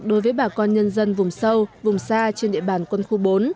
đối với bà con nhân dân vùng sâu vùng xa trên địa bàn quân khu bốn